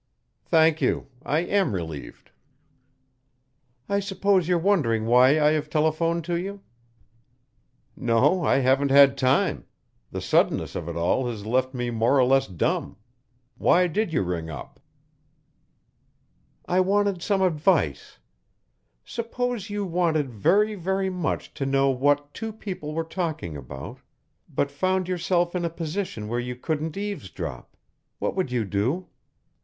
"Thank you. I am relieved." "I suppose you're wondering why I have telephoned to you?" "No, I haven't had time. The suddenness of it all has left me more or less dumb. Why did you ring up?" "I wanted some advice. Suppose you wanted very, very much to know what two people were talking about, but found yourself in a position where you couldn't eavesdrop. What would you do?"